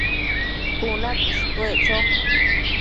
cuna cushtuec cho